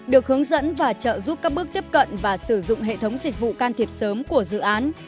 được hướng dẫn và trợ giúp các bước tiếp cận và sử dụng hệ thống dịch vụ can thiệp sớm của dự án